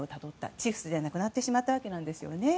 チフスで亡くなってしまったわけなんですよね。